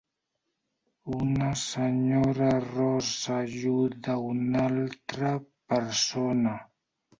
Una senyora rossa ajuda a una altra persona.